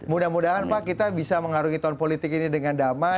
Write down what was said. mudah mudahan pak kita bisa mengarungi tahun politik ini dengan damai